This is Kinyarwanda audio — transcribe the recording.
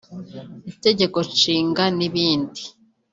Itegeko Nshinga n’ibindi